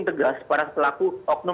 tegas para pelaku oknum